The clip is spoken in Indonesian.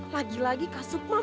lagi lagi kak semang